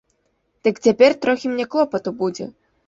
Дык цяпер трохі мне клопату будзе.